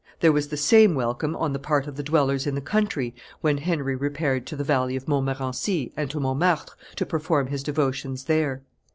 There was the same welcome on the part of the dwellers in the country when Henry repaired to the valley of Montmorency and to Montmartre to perform his devotions there.